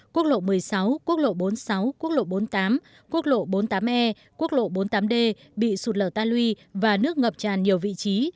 quốc lộ một mươi sáu quốc lộ bốn mươi sáu quốc lộ bốn mươi tám quốc lộ bốn mươi tám e quốc lộ bốn mươi tám d bị sụt lở ta lui và nước ngập tràn nhiều vị trí